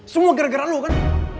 semua gara gara lo kan